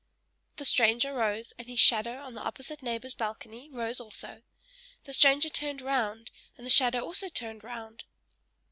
The stranger rose, and his shadow on the opposite neighbor's balcony rose also; the stranger turned round and the shadow also turned round.